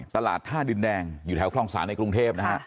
ตลาดท่าดินแดงอยู่แถวคลองศาลในกรุงเทพนะฮะ